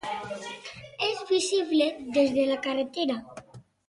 És visible des de la carretera.